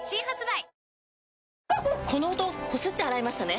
この音こすって洗いましたね？